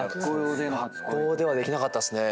学校ではできなかったっすね。